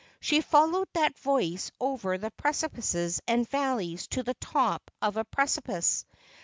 She followed that voice over the precipices and valleys to the top of a precipice.